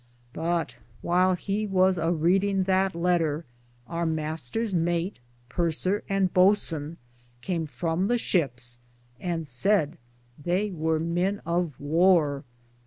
But whyle he was a Reeding that Letter, our mysteres mate, purser, and bootson came frome the shipps and sayd they weare men of warre.